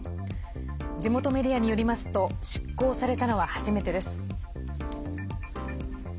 地元メディアによりますと執行されたのは初めてです。